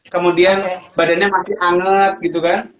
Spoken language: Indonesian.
kemudian badannya masih anet gitu kan